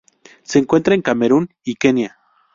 Se encuentra en Camerún y Kenia.